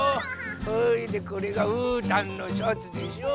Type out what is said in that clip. それでこれがうーたんのシャツでしょう。